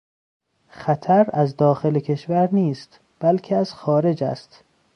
خطر از داخل کشور نیست بلکه از خارج است.